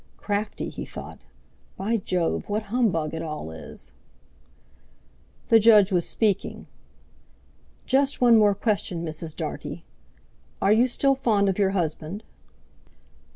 "Crafty!" he thought; "by Jove, what humbug it all is!" The Judge was speaking: "Just one more question, Mrs. Dartie. Are you still fond of your husband?"